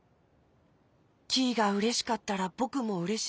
キイがうれしかったらぼくもうれしい。